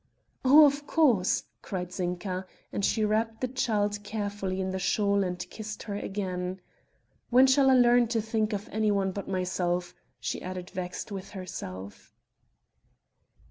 "Oh! of course," cried Zinka, and she wrapped the child carefully in the shawl and kissed her again; "when shall I learn to think of anyone but myself?" she added vexed with herself.